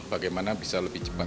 bagaimana bisa lebih cepat